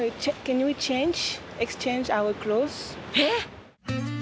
えっ！？